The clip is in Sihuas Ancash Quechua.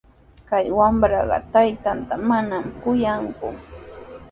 Kay wamraqa taytanta manami kuyanku.